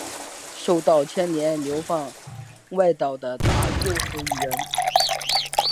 受到牵连流放外岛的达六十余人。